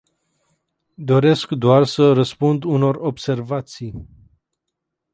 Doresc doar să răspund unor observații.